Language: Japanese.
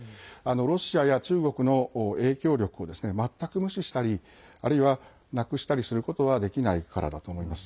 ロシアや中国の影響力を全く無視したりあるいは、なくしたりすることはできないからだと思います。